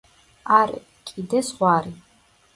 არე, კიდე ზღვარი.